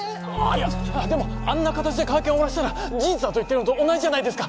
いやでもあんな形で会見終わらせたら事実だと言ってるのと同じじゃないですか！